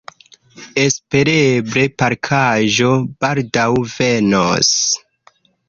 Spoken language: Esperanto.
Espereble pakaĵo baldaŭ venos.